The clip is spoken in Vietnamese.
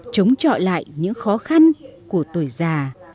chống trọi lại những khó khăn của tuổi già